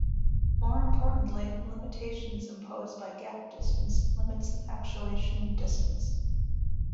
More importantly, limitations imposed by gap distance limits the actuation distance.